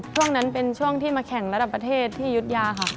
ช่วงนั้นเป็นช่วงที่มาแข่งระดับประเทศที่ยุธยาค่ะ